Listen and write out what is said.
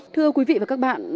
thưa quý vị và các bạn